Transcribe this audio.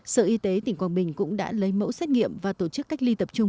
sở y tế tỉnh quảng bình cũng đã lấy mẫu xét nghiệm và tổ chức cách ly tập trung